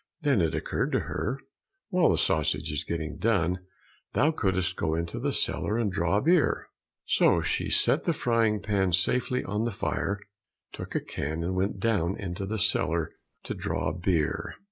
Then it occurred to her, "While the sausage is getting done thou couldst go into the cellar and draw beer." So she set the frying pan safely on the fire, took a can, and went down into the cellar to draw beer.